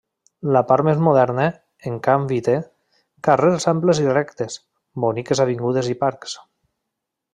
La part més moderna, en canvi té, carrers amples i rectes, boniques avingudes i parcs.